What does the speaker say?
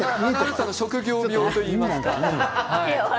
職業病といいますかね